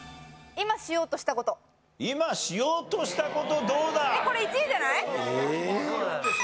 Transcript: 今しようとしたこと１位です！